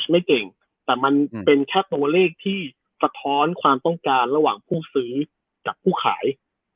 ไม่เก่งแต่มันเป็นแค่ตัวเลขที่สะท้อนความต้องการระหว่างผู้ซื้อกับผู้ขาย